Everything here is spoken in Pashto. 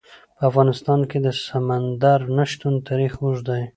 په افغانستان کې د سمندر نه شتون تاریخ اوږد دی.